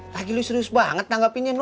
lagi lu serius banget tanggapinnya